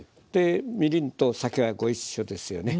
みりんと酒がご一緒ですよね。